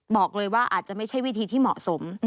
บอกเลยว่าอาจจะไม่ใช่วิธีที่เหมาะสม